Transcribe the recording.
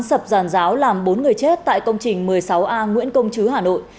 sập giàn giáo làm bốn người chết tại công trình một mươi sáu a nguyễn công chứ hà nội